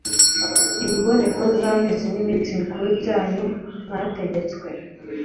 imboneko z'amezi n'iminsi mikuru byanyu mwategetswe